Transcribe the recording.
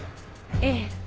ええ。